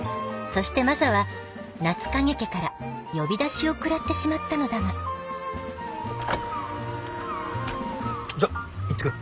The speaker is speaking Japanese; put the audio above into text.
そしてマサは夏影家から呼び出しを食らってしまったのだがじゃ行ってくる。